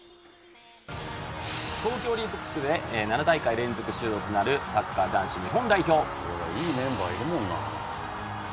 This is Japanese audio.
東京オリンピックで７大会出場が決まるサッカー男子日本代表。